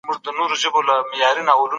موږ د هېواد د پرمختګ له پاره پلانونه جوړول.